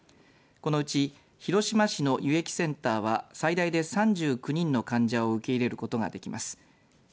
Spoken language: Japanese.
このうち広島市の輸液センターは最大で３９人の患者を受け入れることができます。